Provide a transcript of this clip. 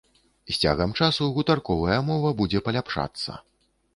З цягам часу гутарковая мова будзе паляпшацца.